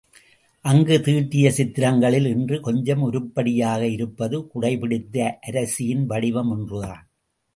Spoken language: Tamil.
அங்கு தீட்டிய சித்திரங்களில் இன்று கொஞ்சம் உருப்படியாக இருப்பது குடை பிடித்த அரசியின் வடிவம் ஒன்றுதான்.